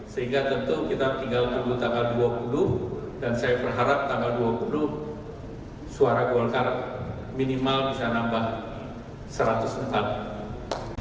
sehingga tentu kita tinggal tunggu tanggal dua puluh dua dan saya berharap tanggal dua puluh dua suara golkar minimal bisa nambah seratus minggu